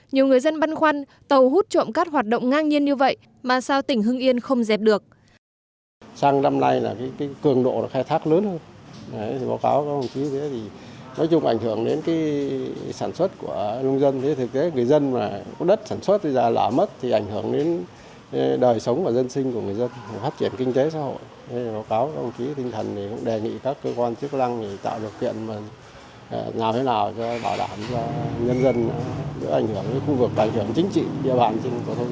nhiều người dân băn khoăn tàu hút trộm cát hoạt động ngang nhiên như vậy mà sao tỉnh hưng yên không dẹp được